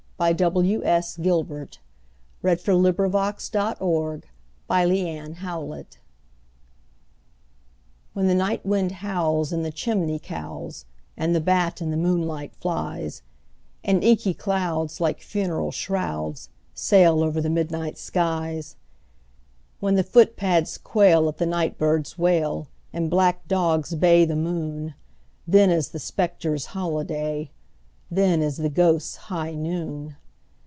But then, unhappily, I'm not thy bride! THE GHOSTS' HIGH NOON WHEN the night wind howls in the chimney cowls, and the bat in the moonlight flies, And inky clouds, like funeral shrouds, sail over the midnight skies— When the footpads quail at the night bird's wail, and black dogs bay the moon, Then is the spectres' holiday—then is the ghosts' high noon!